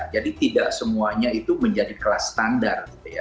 jadi tidak semuanya itu menjadi kelas standar